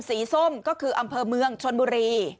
ส้มก็คืออำเภอเมืองชนบุรี